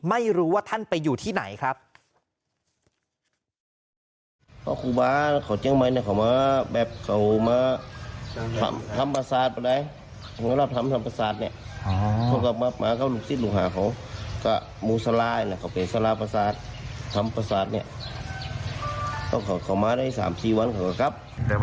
ไม่รู้ว่าท่านไปอยู่ที่ไหนครับ